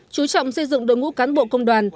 chú trọng xây dựng đội ngũ cán bộ công đoàn